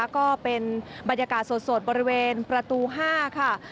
ก็เป็นบรรยากาศสดบริเวณประตู๕ค่ะ